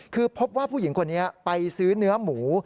คือพบว่าผู้หญิงคนนี้ไปซื้อเนื้อหมู